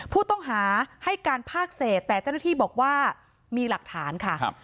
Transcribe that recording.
ผู้ต้องหาให้การภาคเศษแต่เจ้าหน้าที่บอกว่ามีหลักฐานค่ะ